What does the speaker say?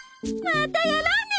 またやろうね！